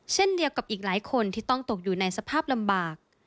เช่นเดียวกับอีกหลายคนที่ต้องตกอยู่ในสภาพลำบาก